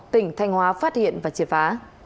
tỉnh thanh hóa phát hiện và triệt phá